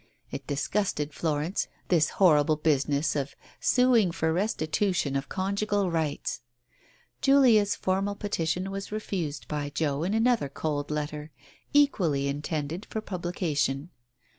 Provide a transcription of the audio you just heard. It disgusted Florence, this horrible business of sueing for restitution of conjugal rights ! Julia's formal peti tion was refused by Joe in another cold letter, equally intended for publication.